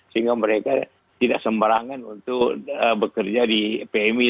sehingga mereka tidak sembarangan untuk bekerja di pmi